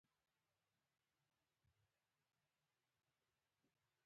خو د قهوې تولید تر دې هم ګټور تجارت رامنځته کړ.